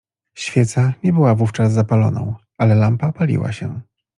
"Świeca nie była wówczas zapaloną, ale lampa paliła się."